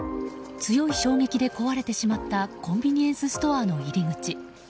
強い衝撃で壊れてしまったコンビニエンスストアの入り口。